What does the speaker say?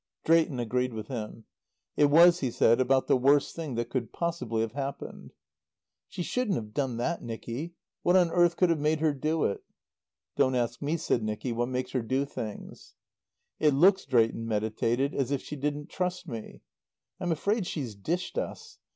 Drayton agreed with him. It was, he said, about the worst thing that could possibly have happened. "She shouldn't have done that, Nicky. What on earth could have made her do it?" "Don't ask me," said Nicky, "what makes her do things." "It looks," Drayton meditated, "as if she didn't trust me. I'm afraid she's dished us.